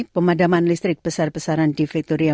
pemadaman listrik besar besaran di vetoria